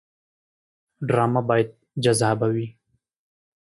ډرامه باید جذابه وي